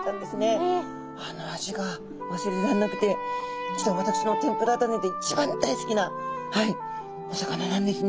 あの味が忘れらんなくて実は私の天ぷら種で一番大好きなお魚なんですね。